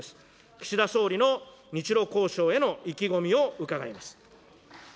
岸田総理の日ロ交渉への意気込みを伺います。